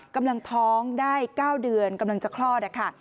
กำลังท้องได้๙เดือนกำลังจะคลอดนะคะ